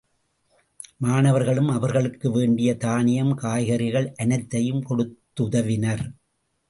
மாணவர்களும் அவர்களுக்கு வேண்டிய தானியம் காய்கறிகள் அனைத்தையும் கொடுத்துதவினர்.